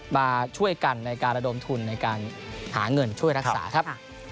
มาช่วยกันในการระดมทุนในการหาเงินช่วยรักษาครับ